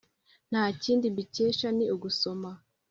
nta kindi mbikesha ni ugusoma